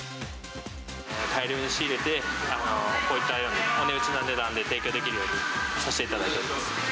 大量に仕入れて、こういったように、お値打ちの値段で提供できるようにさせていただいております。